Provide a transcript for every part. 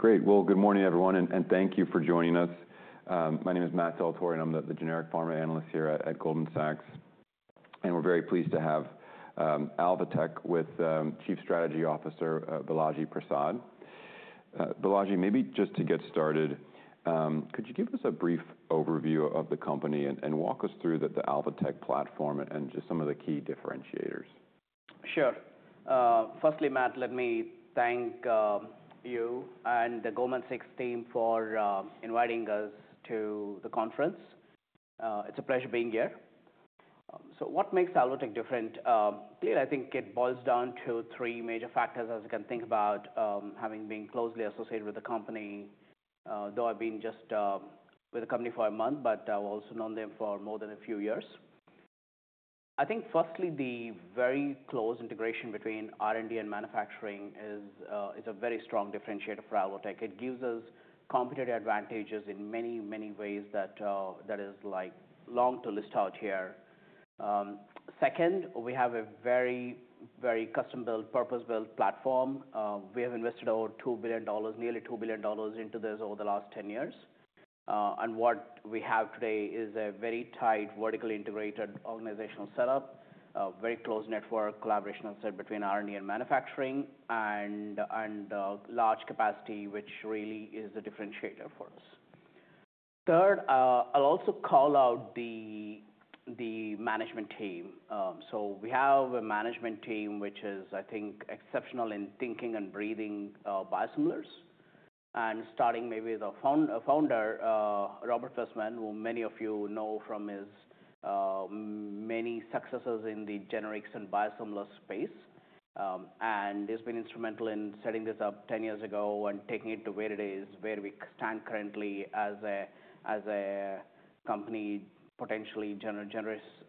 Good. Okay, great. Good morning, everyone, and thank you for joining us. My name is Matt Dellatorre, and I'm the Generic Pharma Analyst here at Goldman Sachs. We're very pleased to have Alvotech with Chief Strategy Officer Balaji Prasad. Balaji, maybe just to get started, could you give us a brief overview of the company and walk us through the Alvotech platform and just some of the key differentiators? Sure. Firstly, Matt, let me thank you and the Goldman Sachs team for inviting us to the conference. It's a pleasure being here. What makes Alvotech different? Clearly, I think it boils down to three major factors, as you can think about, having been closely associated with the company, though I've been just with the company for a month, but I've also known them for more than a few years. I think, firstly, the very close integration between R&D and manufacturing is a very strong differentiator for Alvotech. It gives us competitive advantages in many, many ways that is long to list out here. Second, we have a very, very custom-built, purpose-built platform. We have invested over $2 billion, nearly $2 billion, into this over the last 10 years. What we have today is a very tight, vertically integrated organizational setup, very close network, collaboration set between R&D and manufacturing, and large capacity, which really is a differentiator for us. Third, I'll also call out the management team. We have a management team which is, I think, exceptional in thinking and breathing biosimilars. Starting maybe with our founder, Róbert Wessman, whom many of you know from his many successes in the generics and biosimilar space. He's been instrumental in setting this up 10 years ago and taking it to where it is, where we stand currently as a company, potentially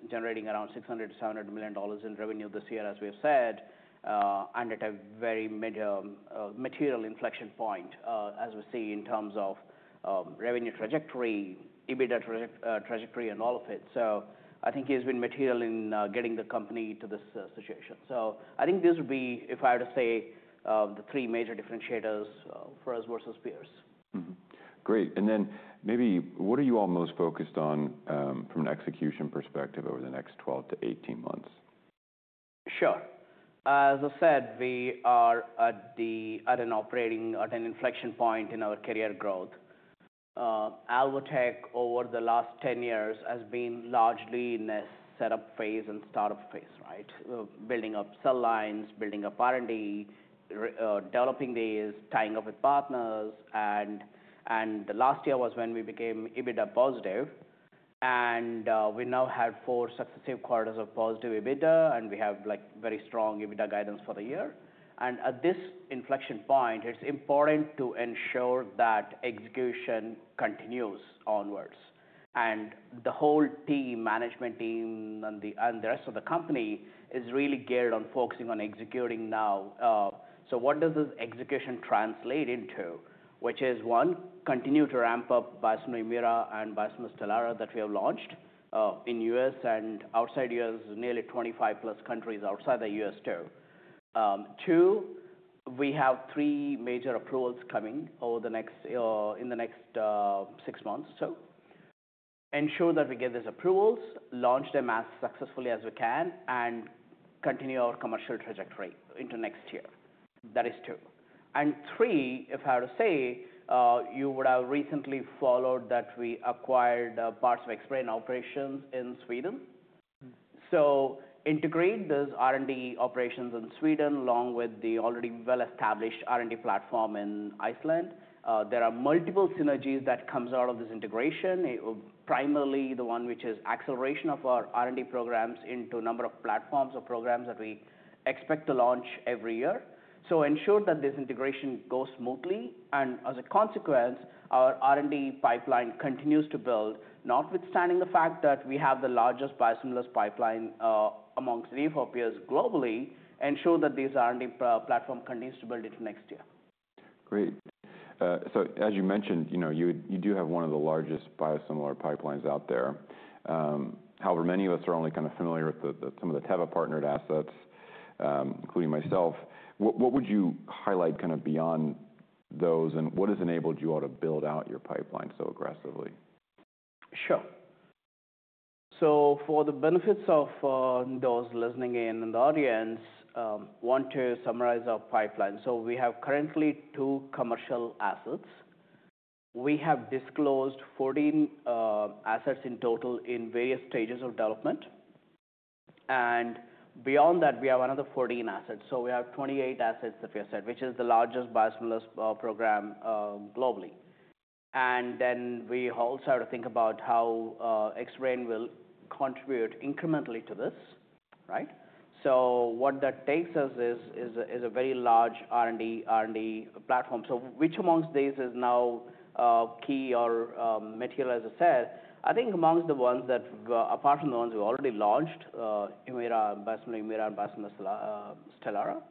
generating around $600million-$700 million in revenue this year, as we've said. At a very material inflection point, as we see in terms of revenue trajectory, EBITDA trajectory, and all of it. I think he's been material in getting the company to this situation. I think these would be, if I were to say, the three major differentiators for us versus peers. Great. Maybe, what are you all most focused on from an execution perspective over the next 12 to 18 months? Sure. As I said, we are at an operating, at an inflection point in our career growth. Alvotech, over the last 10 years, has been largely in a setup phase and startup phase, right? Building up cell lines, building up R&D, developing these, tying up with partners. The last year was when we became EBITDA positive. We now have four successive quarters of positive EBITDA, and we have very strong EBITDA guidance for the year. At this inflection point, it is important to ensure that execution continues onwards. The whole team, management team, and the rest of the company is really geared on focusing on executing now. What does this execution translate into? Which is, one, continue to ramp up biosimilar Humira and biosimilar Stelara that we have launched in the U.S. and outside the U.S., nearly 25-plus countries outside the U.S., too. Two, we have three major approvals coming over the next six months or so. Ensure that we get these approvals, launch them as successfully as we can, and continue our commercial trajectory into next year. That is two. Three, if I were to say, you would have recently followed that we acquired parts of Xbrane operations in Sweden. Integrate those R&D operations in Sweden along with the already well-established R&D platform in Iceland. There are multiple synergies that come out of this integration. Primarily, the one which is acceleration of our R&D programs into a number of platforms or programs that we expect to launch every year. Ensure that this integration goes smoothly. As a consequence, our R&D pipeline continues to build, notwithstanding the fact that we have the largest biosimilars pipeline amongst our peers globally. Ensure that these R&D platforms continue to build into next year. Great. As you mentioned, you do have one of the largest biosimilar pipelines out there. However, many of us are only kind of familiar with some of the Teva-partnered assets, including myself. What would you highlight kind of beyond those, and what has enabled you all to build out your pipeline so aggressively? Sure. For the benefit of those listening in in the audience, I want to summarize our pipeline. We have currently two commercial assets. We have disclosed 14 assets in total in various stages of development. Beyond that, we have another 14 assets. We have 28 assets, as we have said, which is the largest biosimilar program globally. We also have to think about how Xbrane will contribute incrementally to this, right? What that takes us to is a very large R&D platform. Which amongst these is now key or material, as I said? I think amongst the ones that, apart from the ones we already launched, Humira, biosimilar Humira and biosimilar Stelara.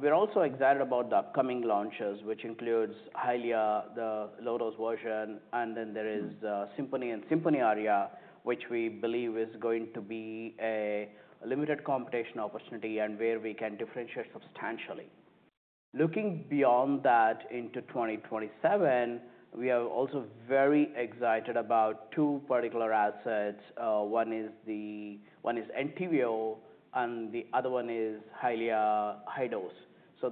We are also excited about the upcoming launches, which includes Eylea, the low-dose version. There is Simponi and Simponi Aria, which we believe is going to be a limited competition opportunity and where we can differentiate substantially. Looking beyond that into 2027, we are also very excited about two particular assets. One is Entyvio, and the other one is Eylea high-dose.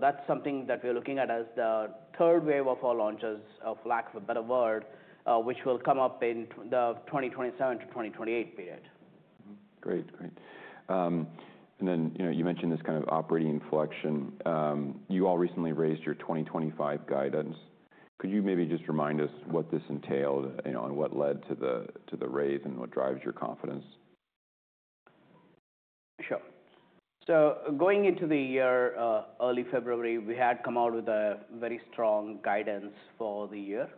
That is something that we are looking at as the third wave of our launches, for lack of a better word, which will come up in the 2027 to 2028 period. Great, great. You mentioned this kind of operating inflection. You all recently raised your 2025 guidance. Could you maybe just remind us what this entailed and what led to the raise and what drives your confidence? Sure. Going into the year early February, we had come out with a very strong guidance for the year.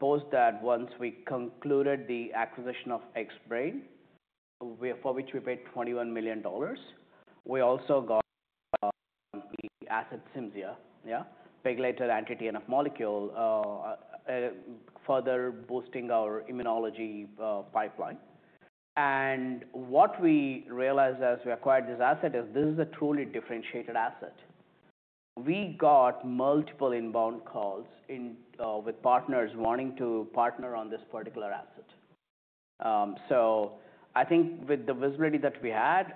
Post that, once we concluded the acquisition of Xbrane, for which we paid $21 million, we also got the asset Cimzia, yeah, regulated anti-TNF molecule, further boosting our immunology pipeline. What we realized as we acquired this asset is this is a truly differentiated asset. We got multiple inbound calls with partners wanting to partner on this particular asset. I think with the visibility that we had,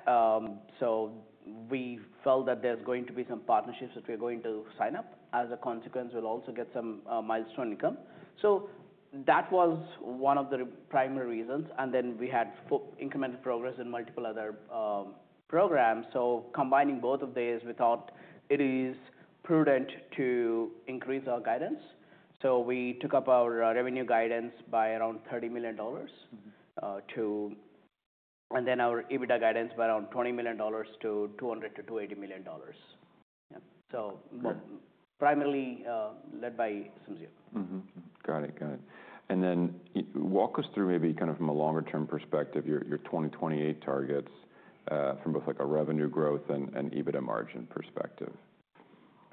we felt that there are going to be some partnerships that we're going to sign up. As a consequence, we'll also get some milestone income. That was one of the primary reasons. Then we had incremental progress in multiple other programs. Combining both of these, we thought it is prudent to increase our guidance. We took up our revenue guidance by around $30 million, and then our EBITDA guidance by around $20 million to $200 million-$280 million. Primarily led by Cimzia. Got it, got it. Then walk us through maybe kind of from a longer-term perspective, your 2028 targets from both a revenue growth and EBITDA margin perspective.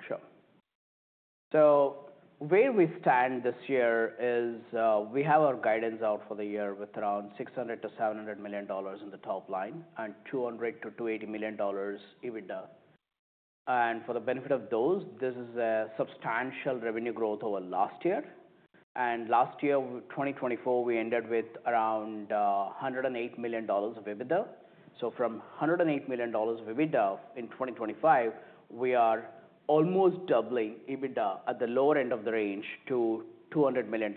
Sure. Where we stand this year is we have our guidance out for the year with around $600 million-$700 million in the top line and $200 million-$280 million EBITDA. For the benefit of those, this is a substantial revenue growth over last year. Last year, 2024, we ended with around $108 million of EBITDA. From $108 million of EBITDA in 2025, we are almost doubling EBITDA at the lower end of the range to $200 million.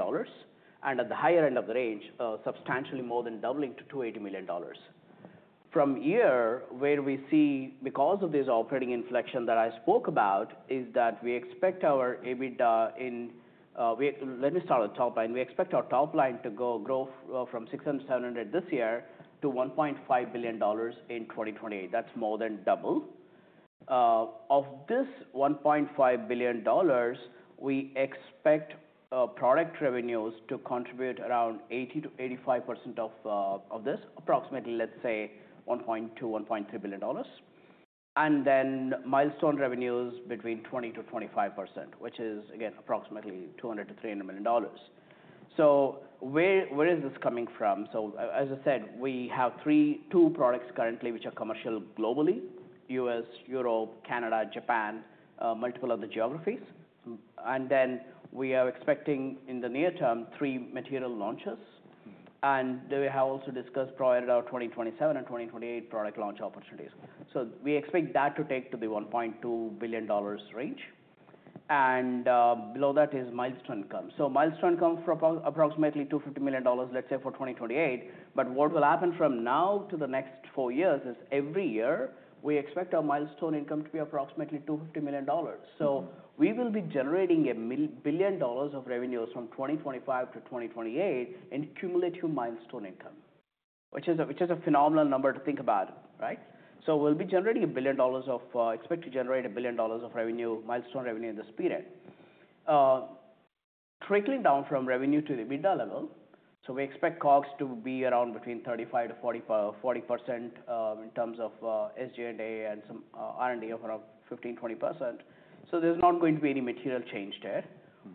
At the higher end of the range, substantially more than doubling to $280 million. From here, where we see, because of this operating inflection that I spoke about, is that we expect our EBITDA in, let me start at the top line. We expect our top line to grow from $600 million-$700 million this year to $1.5 billion in 2028. That is more than double. Of this $1.5 billion, we expect product revenues to contribute around 80%-85% of this, approximately, let's say, $1.2 billion-$1.3 billion. And then milestone revenues between 20%-25%, which is, again, approximately $200 million-$300 million. So where is this coming from? As I said, we have two products currently which are commercial globally: U.S., Europe, Canada, Japan, multiple other geographies. And then we are expecting in the near term three material launches. We have also discussed prior to our 2027 and 2028 product launch opportunities. We expect that to take to the $1.2 billion range. Below that is milestone income. Milestone income for approximately $250 million, let's say, for 2028. What will happen from now to the next four years is every year we expect our milestone income to be approximately $250 million. We will be generating $1 billion of revenues from 2025 to 2028 in cumulative milestone income, which is a phenomenal number to think about, right? We will be generating $1 billion of, expect to generate $1 billion of revenue, milestone revenue in this period. Trickling down from revenue to the EBITDA level, we expect COGS to be around between 35%-40% in terms of SG&A and some R&D of around 15%-20%. There is not going to be any material change there,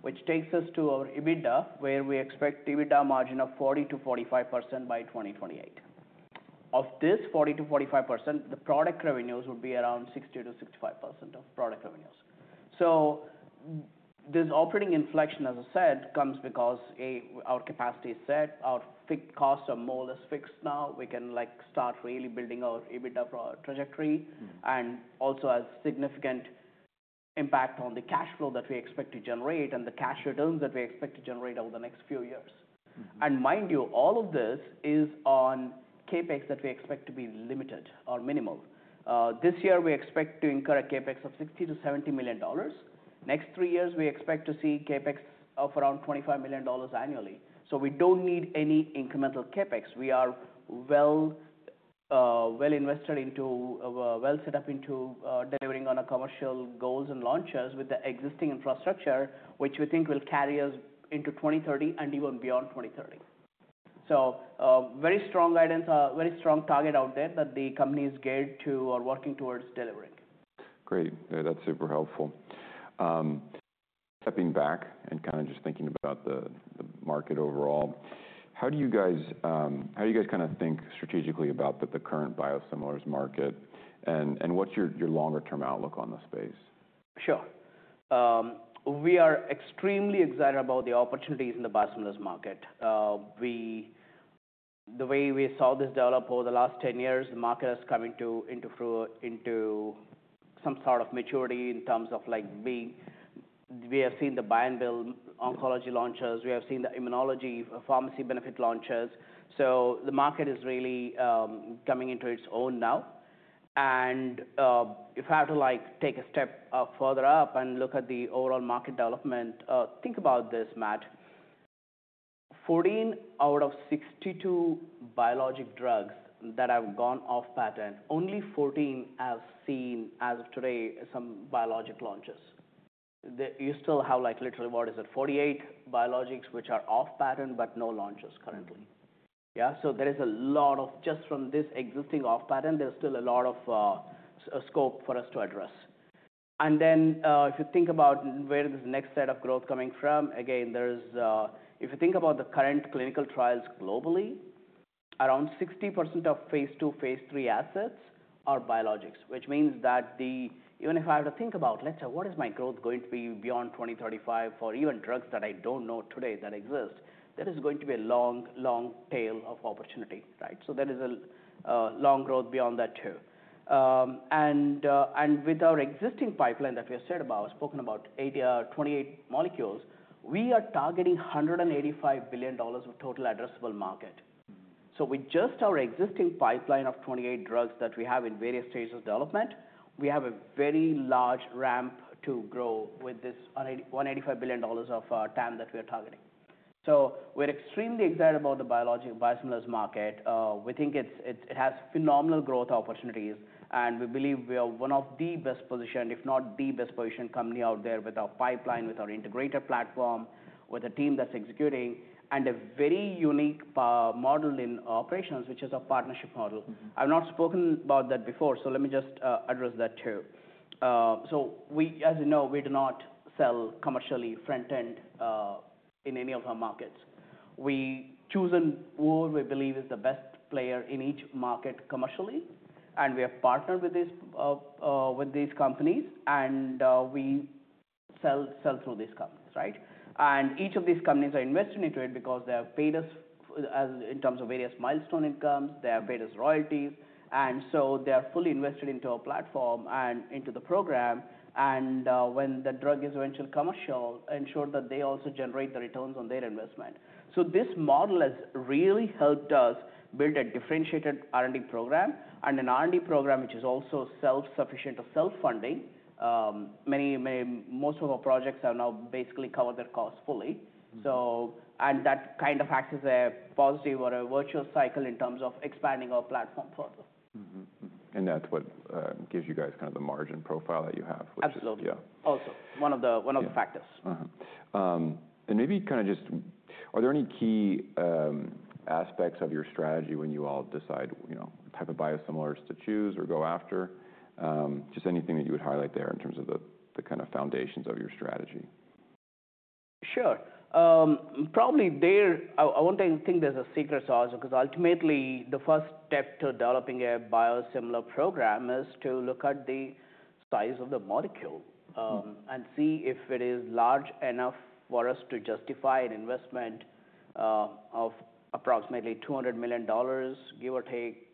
which takes us to our EBITDA, where we expect EBITDA margin of 40%-45% by 2028. Of this 40%-45%, the product revenues would be around 60%-65% of product revenues. This operating inflection, as I said, comes because our capacity is set. Our costs are more or less fixed now. We can start really building our EBITDA trajectory and also has significant impact on the cash flow that we expect to generate and the cash returns that we expect to generate over the next few years. Mind you, all of this is on CapEx that we expect to be limited or minimal. This year, we expect to incur a CapEx of $60 million-$70 million. Next three years, we expect to see CapEx of around $25 million annually. We do not need any incremental CapEx. We are well invested into, well set up into delivering on our commercial goals and launches with the existing infrastructure, which we think will carry us into 2030 and even beyond 2030. Very strong guidance, very strong target out there that the company is geared to or working towards delivering. Great. That's super helpful. Stepping back and kind of just thinking about the market overall, how do you guys, how do you guys kind of think strategically about the current biosimilars market? What's your longer-term outlook on the space? Sure. We are extremely excited about the opportunities in the biosimilars market. The way we saw this develop over the last 10 years, the market has come into some sort of maturity in terms of being we have seen the buy-and-bill oncology launches. We have seen the immunology pharmacy benefit launches. The market is really coming into its own now. If I were to take a step further up and look at the overall market development, think about this, Matt. Fourteen out of 62 biologic drugs that have gone off patent, only 14 have seen, as of today, some biologic launches. You still have literally, what is it, 48 biologics which are off patent, but no launches currently. Yeah? There is a lot of, just from this existing off patent, there's still a lot of scope for us to address. If you think about where this next set of growth is coming from, again, if you think about the current clinical trials globally, around 60% of phase two, phase three assets are biologics, which means that even if I were to think about, let's say, what is my growth going to be beyond 2035 for even drugs that I do not know today that exist, there is going to be a long, long tail of opportunity, right? There is a long growth beyond that too. With our existing pipeline that we have said about, spoken about 28 molecules, we are targeting $185 billion of total addressable market. With just our existing pipeline of 28 drugs that we have in various stages of development, we have a very large ramp to grow with this $185 billion of TAM that we are targeting. We're extremely excited about the biologic biosimilars market. We think it has phenomenal growth opportunities. We believe we are one of the best positioned, if not the best positioned company out there with our pipeline, with our integrator platform, with a team that's executing, and a very unique model in operations, which is our partnership model. I've not spoken about that before, so let me just address that too. As you know, we do not sell commercially front-end in any of our markets. We've chosen who we believe is the best player in each market commercially. We have partnered with these companies. We sell through these companies, right? Each of these companies are investing into it because they have paid us in terms of various milestone incomes. They have paid us royalties. They are fully invested into our platform and into the program. When the drug is eventually commercial, ensure that they also generate the returns on their investment. This model has really helped us build a differentiated R&D program and an R&D program which is also self-sufficient or self-funding. Most of our projects have now basically covered their costs fully. That kind of acts as a positive or a virtuous cycle in terms of expanding our platform further. That is what gives you guys kind of the margin profile that you have, which is. Absolutely. Also, one of the factors. Maybe kind of just, are there any key aspects of your strategy when you all decide what type of biosimilars to choose or go after? Just anything that you would highlight there in terms of the kind of foundations of your strategy. Sure. Probably there, I won't think there's a secret sauce because ultimately the first step to developing a biosimilar program is to look at the size of the molecule and see if it is large enough for us to justify an investment of approximately $200 million, give or take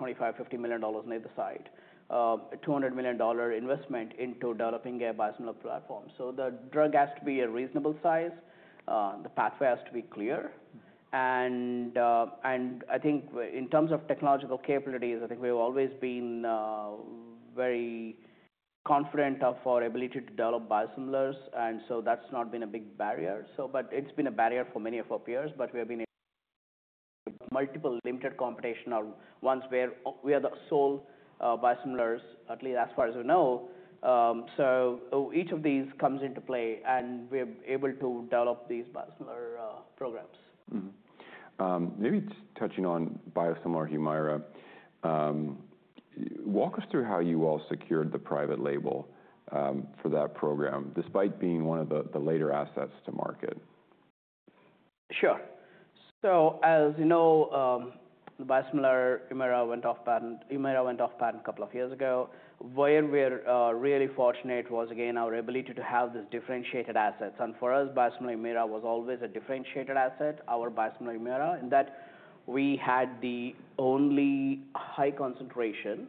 $25 million-$50 million on either side, $200 million investment into developing a biosimilar platform. The drug has to be a reasonable size. The pathway has to be clear. I think in terms of technological capabilities, I think we've always been very confident of our ability to develop biosimilars. That has not been a big barrier. It has been a barrier for many of our peers. We have been in multiple limited competition ones where we are the sole biosimilars, at least as far as we know. Each of these comes into play. We're able to develop these biosimilar programs. Maybe touching on biosimilar Humira, walk us through how you all secured the private label for that program despite being one of the later assets to market. Sure. As you know, the biosimilar Humira went off patent a couple of years ago. Where we're really fortunate was, again, our ability to have these differentiated assets. For us, biosimilar Humira was always a differentiated asset, our biosimilar Humira, in that we had the only high concentration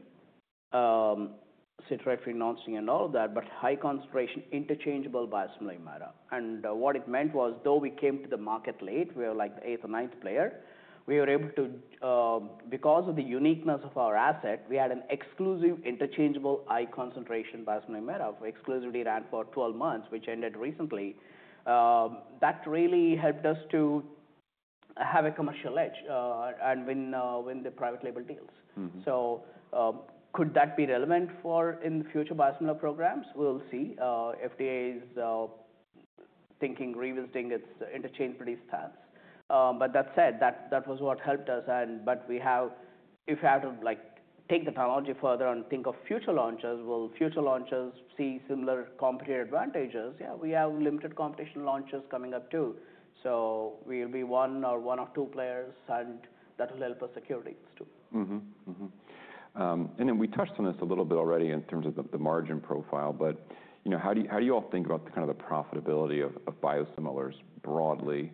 citrate, phenols, and all of that, but high concentration interchangeable biosimilar Humira. What it meant was, though we came to the market late, we were like the eighth or ninth player. We were able to, because of the uniqueness of our asset, we had an exclusive interchangeable high concentration biosimilar Humira. We exclusively ran for 12 months, which ended recently. That really helped us to have a commercial edge and win the private label deals. Could that be relevant for in future biosimilar programs? We'll see. FDA is thinking revisiting its interchangeability stance. That said, that was what helped us. If we had to take the technology further and think of future launches, will future launches see similar competitive advantages? Yeah, we have limited competition launches coming up too. We will be one or one or two players, and that will help us secure things too. We touched on this a little bit already in terms of the margin profile, but how do you all think about kind of the profitability of biosimilars broadly?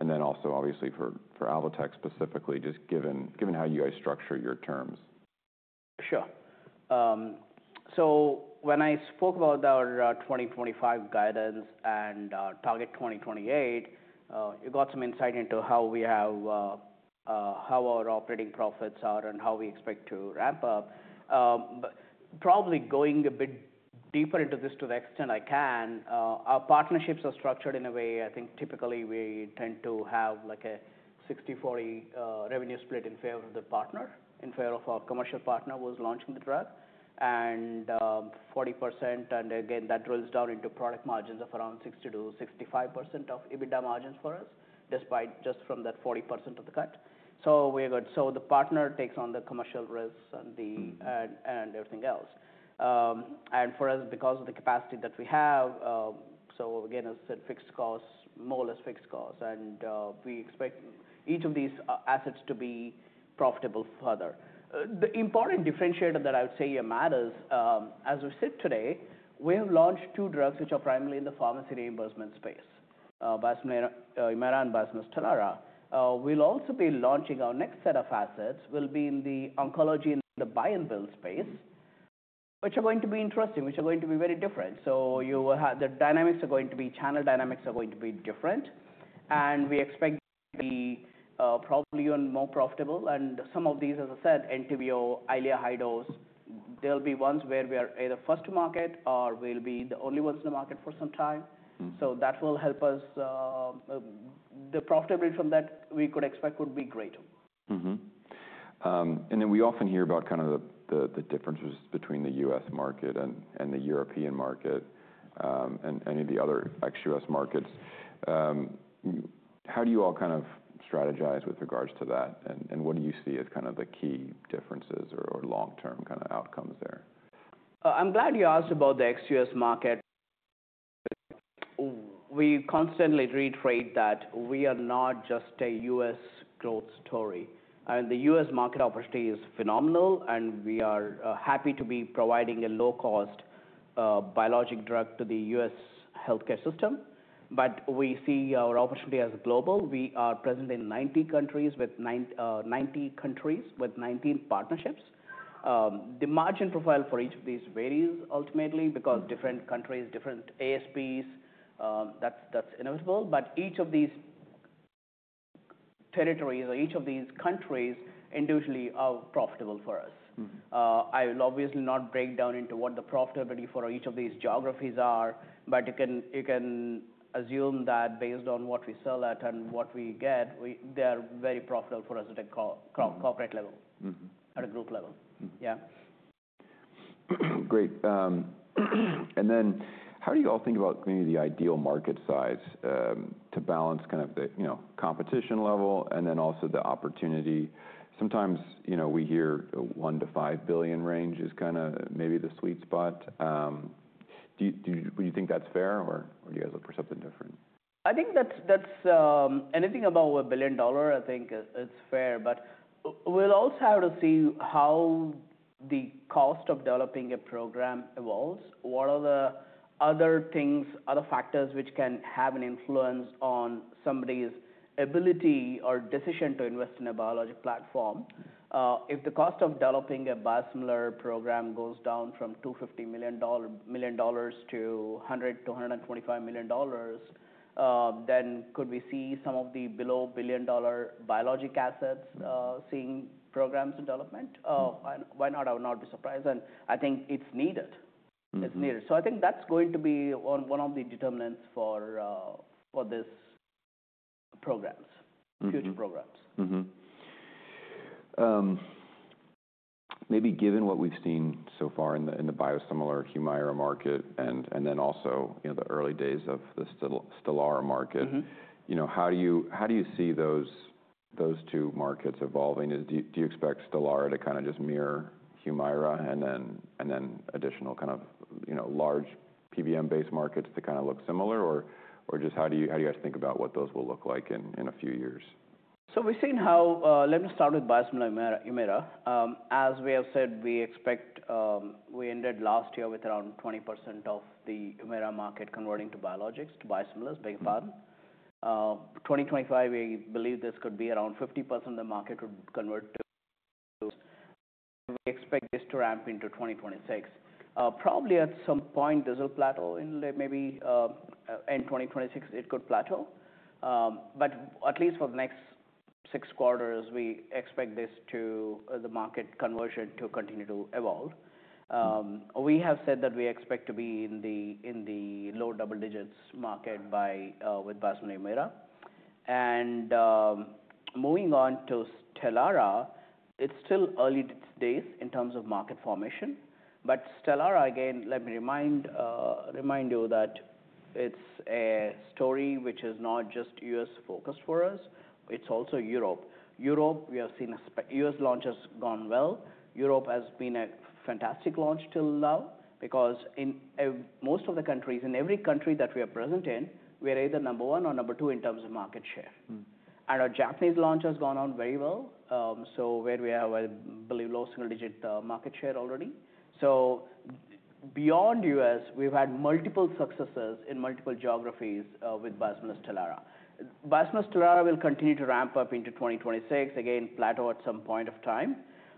And then also, obviously, for Alvotech specifically, just given how you guys structure your terms. Sure. When I spoke about our 2025 guidance and target 2028, you got some insight into how we have our operating profits are and how we expect to ramp up. Probably going a bit deeper into this to the extent I can, our partnerships are structured in a way, I think typically we tend to have like a 60/40 revenue split in favor of the partner, in favor of our commercial partner who is launching the drug, and 40%. Again, that drills down into product margins of around 60%-65% of EBITDA margins for us, despite just from that 40% of the cut. We are good. The partner takes on the commercial risks and everything else. For us, because of the capacity that we have, as I said, fixed costs, more or less fixed costs. We expect each of these assets to be profitable further. The important differentiator that I would say matters, as we sit today, is we have launched two drugs which are primarily in the pharmacy reimbursement space, Humira and biosimilar Stelara. We will also be launching our next set of assets. We will be in the oncology and the buy-and-bill space, which are going to be interesting, which are going to be very different. The dynamics are going to be, channel dynamics are going to be different. We expect to be probably even more profitable. Some of these, as I said, Entyvio, Eylea, high dose, there will be ones where we are either first to market or we will be the only ones in the market for some time. That will help us. The profitability from that we could expect would be great. We often hear about kind of the differences between the U.S. market and the European market and any of the other ex-U.S. markets. How do you all kind of strategize with regards to that? What do you see as kind of the key differences or long-term kind of outcomes there? I'm glad you asked about the ex-U.S. market. We constantly reiterate that we are not just a U.S. growth story. The U.S. market opportunity is phenomenal. We are happy to be providing a low-cost biologic drug to the U.S. healthcare system. We see our opportunity as global. We are present in 90 countries with 19 partnerships. The margin profile for each of these varies ultimately because different countries, different ASPs, that's inevitable. Each of these territories or each of these countries individually are profitable for us. I will obviously not break down into what the profitability for each of these geographies are. You can assume that based on what we sell at and what we get, they are very profitable for us at a corporate level, at a group level. Yeah. Great. How do you all think about maybe the ideal market size to balance kind of the competition level and then also the opportunity? Sometimes we hear the $1 billion-$5 billion range is kind of maybe the sweet spot. Would you think that's fair? Or do you guys look for something different? I think that anything above a billion dollars I think is fair. We'll also have to see how the cost of developing a program evolves. What are the other things, other factors which can have an influence on somebody's ability or decision to invest in a biologic platform? If the cost of developing a biosimilar program goes down from $250 million to $100 million-$125 million, then could we see some of the below billion dollar biologic assets seeing programs in development? Why not? I would not be surprised. I think it's needed. It's needed. I think that's going to be one of the determinants for these programs, future programs. Maybe given what we've seen so far in the biosimilar Humira market and then also the early days of the Stelara market, how do you see those two markets evolving? Do you expect Stelara to kind of just mirror Humira and then additional kind of large PBM-based markets to kind of look similar? Or just how do you guys think about what those will look like in a few years? We have seen how, let me start with biosimilar Humira. As we have said, we expect, we ended last year with around 20% of the Humira market converting to biologics, to biosimilars, being a pattern. In 2025, we believe this could be around 50% of the market would convert to. We expect this to ramp into 2026. Probably at some point, this will plateau in maybe end 2026, it could plateau. At least for the next six quarters, we expect this to, the market conversion to continue to evolve. We have said that we expect to be in the low double digits market with biosimilar Humira. Moving on to Stelara, it is still early days in terms of market formation. Stelara, again, let me remind you that it is a story which is not just U.S.-focused for us. It is also Europe. Europe, we have seen U.S. launches gone well. Europe has been a fantastic launch till now because in most of the countries, in every country that we are present in, we are either number one or number two in terms of market share. Our Japanese launch has gone on very well, where we have, I believe, low single-digit market share already. Beyond the U.S., we've had multiple successes in multiple geographies with biosimilar Stelara. Biosimilar Stelara will continue to ramp up into 2026, again, plateau at some point of time.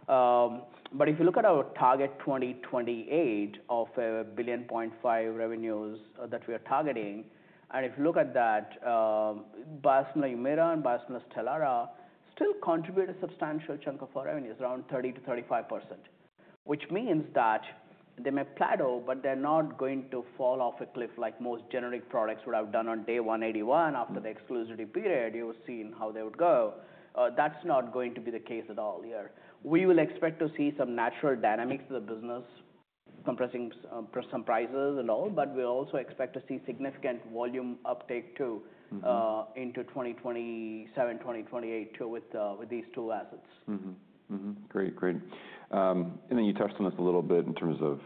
If you look at our target 2028 of $1.5 billion revenues that we are targeting, and if you look at that, biosimilar Humira and biosimilar Stelara still contribute a substantial chunk of our revenues, around 30%-35%, which means that they may plateau, but they are not going to fall off a cliff like most generic products would have done on day 181 after the exclusivity period. You have seen how they would go. That is not going to be the case at all here. We will expect to see some natural dynamics of the business compressing some prices and all. We also expect to see significant volume uptake too into 2027, 2028 too with these two assets. Great. Great. You touched on this a little bit in terms of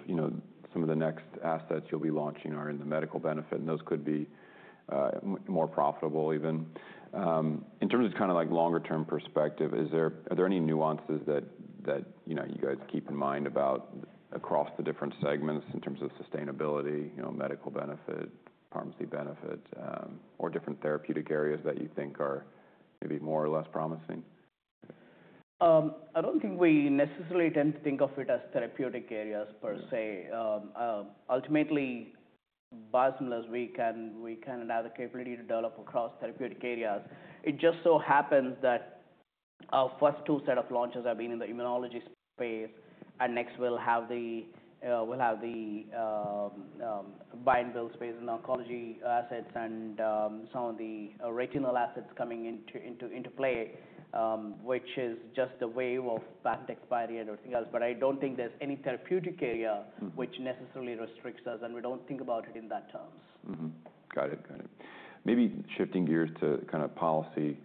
some of the next assets you'll be launching are in the medical benefit. Those could be more profitable even. In terms of kind of longer-term perspective, are there any nuances that you guys keep in mind across the different segments in terms of sustainability, medical benefit, pharmacy benefit, or different therapeutic areas that you think are maybe more or less promising? I don't think we necessarily tend to think of it as therapeutic areas per se. Ultimately, biosimilars, we can have the capability to develop across therapeutic areas. It just so happens that our first two set of launches have been in the immunology space. Next, we'll have the buy-and-bill space in the oncology assets and some of the retinal assets coming into play, which is just the wave of path expired and everything else. I don't think there's any therapeutic area which necessarily restricts us. We don't think about it in that terms. Got it. Got it. Maybe shifting gears to kind of policy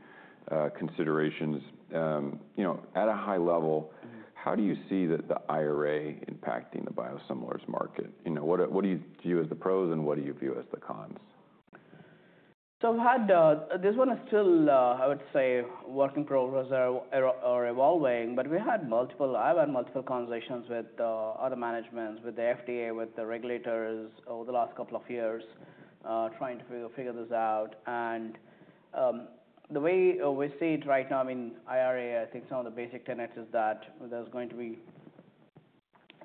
considerations. At a high level, how do you see the IRA impacting the biosimilars market? What do you view as the pros, and what do you view as the cons? This one is still, I would say, work in progress or evolving. I have had multiple conversations with other managements, with the FDA, with the regulators over the last couple of years trying to figure this out. The way we see it right now, I mean, IRA, I think some of the basic tenets is that there are going to be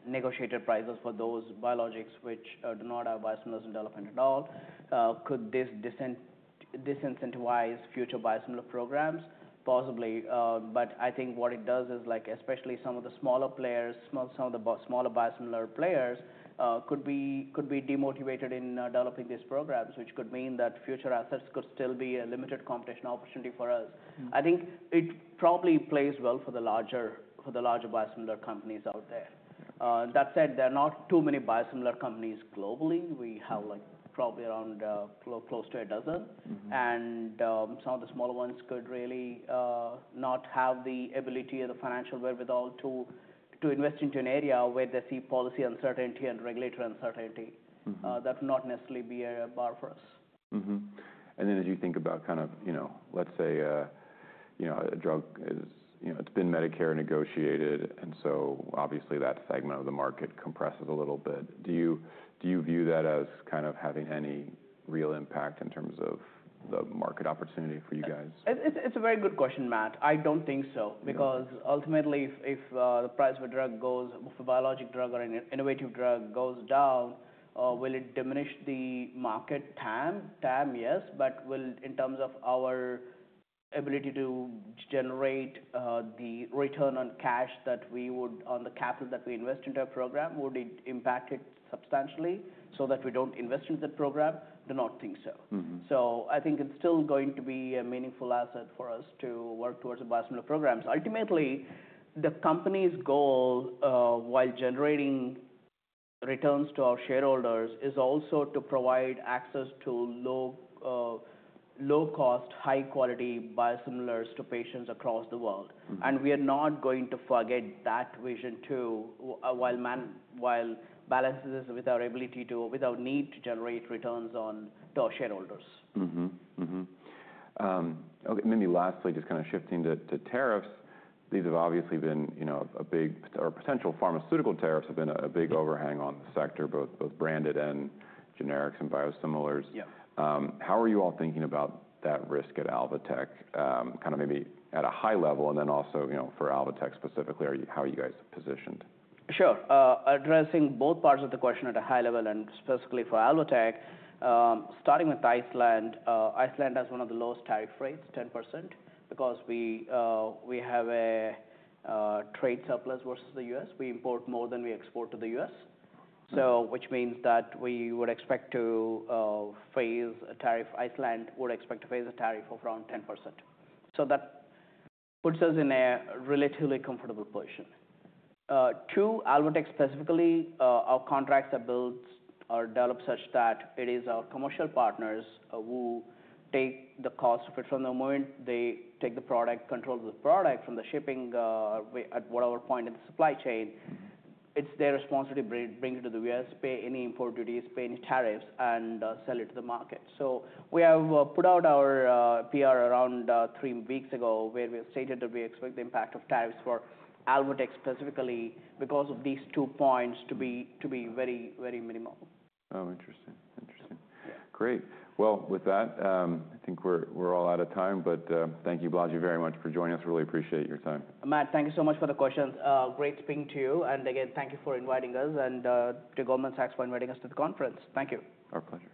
negotiated prices for those biologics which do not have biosimilars in development at all. Could this disincentivize future biosimilar programs? Possibly. What it does is, especially some of the smaller players, some of the smaller biosimilar players could be demotivated in developing these programs, which could mean that future assets could still be a limited competition opportunity for us. I think it probably plays well for the larger biosimilar companies out there. That said, there are not too many biosimilar companies globally. We have probably around close to a dozen. Some of the smaller ones could really not have the ability or the financial wherewithal to invest into an area where they see policy uncertainty and regulatory uncertainty. That would not necessarily be a bar for us. As you think about kind of, let's say, a drug, it's been Medicare negotiated. Obviously that segment of the market compresses a little bit. Do you view that as kind of having any real impact in terms of the market opportunity for you guys? It's a very good question, Matt. I don't think so because ultimately, if the price of a drug goes, if a biologic drug or an innovative drug goes down, will it diminish the market time? Time, yes. But will, in terms of our ability to generate the return on cash that we would on the capital that we invest into a program, would it impact it substantially so that we don't invest into the program? Do not think so. I think it's still going to be a meaningful asset for us to work towards a biosimilar program. Ultimately, the company's goal while generating returns to our shareholders is also to provide access to low-cost, high-quality biosimilars to patients across the world. We are not going to forget that vision too while balancing this with our ability to, with our need to generate returns to our shareholders. Okay. Lastly, just kind of shifting to tariffs. These have obviously been a big, or potential pharmaceutical tariffs have been a big overhang on the sector, both branded and generics and biosimilars. How are you all thinking about that risk at Alvotech, kind of maybe at a high level? Also for Alvotech specifically, how are you guys positioned? Sure. Addressing both parts of the question at a high level and specifically for Alvotech, starting with Iceland. Iceland has one of the lowest tariff rates, 10%, because we have a trade surplus versus the U.S. We import more than we export to the U.S., which means that we would expect to face a tariff. Iceland would expect to face a tariff of around 10%. That puts us in a relatively comfortable position. To Alvotech specifically, our contracts are built or developed such that it is our commercial partners who take the cost of it from the moment they take the product, control the product from the shipping at whatever point in the supply chain. It is their responsibility to bring it to the U.S., pay any import duties, pay any tariffs, and sell it to the market. We have put out our PR around three weeks ago where we have stated that we expect the impact of tariffs for Alvotech specifically because of these two points to be very, very minimal. Oh, interesting. Interesting. Great. With that, I think we're all out of time. Thank you, Balaji, very much for joining us. Really appreciate your time. Matt, thank you so much for the questions. Great speaking to you. Thank you for inviting us and to Goldman Sachs for inviting us to the conference. Thank you. Our pleasure.